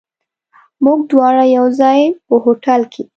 موږ دواړه یو ځای، په هوټل کې.